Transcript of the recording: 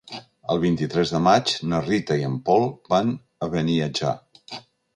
El vint-i-tres de maig na Rita i en Pol van a Beniatjar.